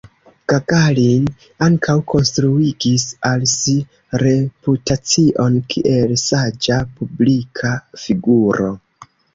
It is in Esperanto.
Gagarin ankaŭ konstruigis al si reputacion kiel saĝa publika figuro.